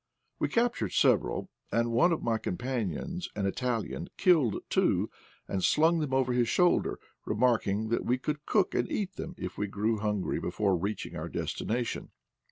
We captured several, and one of my com panions, an Italian, killed two and slung them over his shoulder, remarking that we could cook and eat them if we grew hungry before reaching our destination.